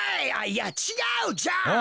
いやちがうじゃん。